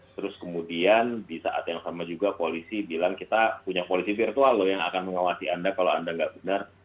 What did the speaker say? terus kemudian di saat yang sama juga polisi bilang kita punya polisi virtual loh yang akan mengawasi anda kalau anda nggak benar